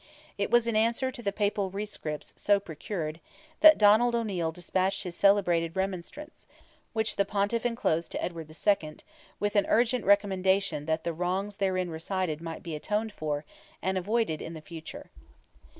It was in answer to the Papal rescripts so procured that Donald O'Neil despatched his celebrated Remonstrance, which the Pontiff enclosed to Edward II., with an urgent recommendation that the wrongs therein recited might be atoned for, and avoided in the future.